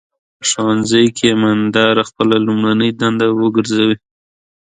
په ښوونځي کې امانتداري خپله لومړنۍ دنده وګرځوئ.